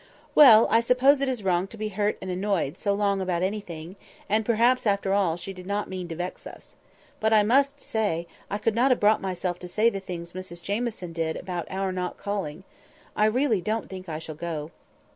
"Well! I suppose it is wrong to be hurt and annoyed so long about anything; and, perhaps, after all, she did not mean to vex us. But I must say, I could not have brought myself to say the things Mrs Jamieson did about our not calling. I really don't think I shall go."